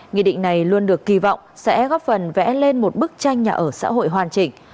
nghị định này luôn được kỳ vọng sẽ góp phần vẽ lên một bức tranh nhà ở xã hội hoàn chỉnh